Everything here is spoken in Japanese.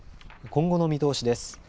今後の見通しです。